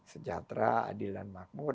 sejahtera adil dan makmur